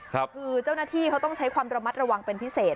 คือเจ้าหน้าที่เขาต้องใช้ความระมัดระวังเป็นพิเศษ